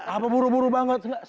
apa buru buru banget